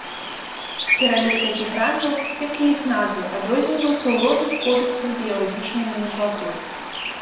Пералік такіх рангаў, як і іх назвы, адрозніваюцца ў розных кодэксах біялагічнай наменклатуры.